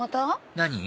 何？